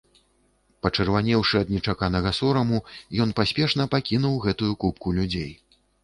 Пачырванеўшы ад нечаканага сораму, ён паспешна пакінуў гэтую купку людзей.